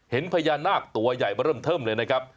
เห็นพญานาคตัวใหญ่มาเริ่มเทิมเลยนะครับ